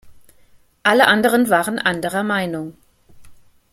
Alle anderen waren anderer Meinung.